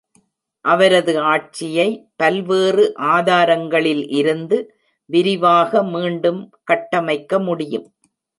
அவரது ஆட்சியை பல்வேறு ஆதாரங்களில் இருந்து விரிவாக மீண்டும் கட்டமைக்க முடியும்.